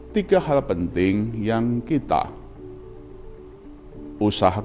tiga hal penting yang kita usahakan